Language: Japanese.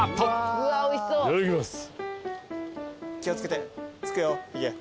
いただきます。